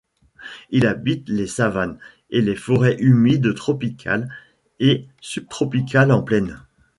Il habite les savanes et les forêts humides tropicales et subtropicales en plaine.